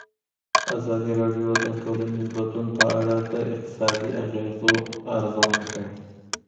ازادي راډیو د ټولنیز بدلون په اړه د اقتصادي اغېزو ارزونه کړې.